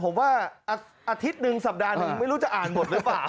ผมว่าอาทิตย์หนึ่งสัปดาห์หนึ่งไม่รู้จะอ่านหมดหรือเปล่า